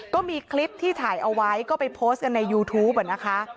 ก็มีคลิปที่ถ่ายเอาไว้ก็ไปโพสต์กันในยูทูปนะคะ